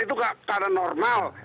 itu keadaan normal